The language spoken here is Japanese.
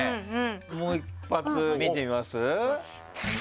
もう一発見てみます？